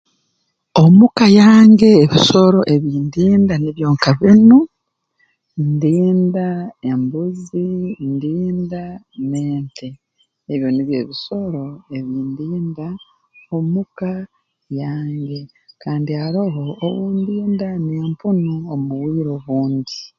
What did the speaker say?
Omu ka yange ebisoro ebi ndinda nibyo nka binu ndinda embuzi ndinda n'ente ebyo nibyo ebisoro ebi ndida omu ka yange kandi aroho obu ndinda n'empunu omu bwire obundi